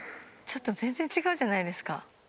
ちょっと全然違うじゃないですか。